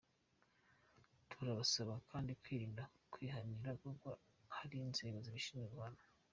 Turabasaba kandi kwirinda kwihanira kuko hari inzego zishinzwe guhana.